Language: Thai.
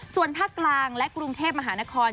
ส่วนภาคกลางและกรุงเทพมหานคร